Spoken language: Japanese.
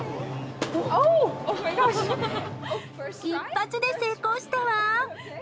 一発で成功したわ。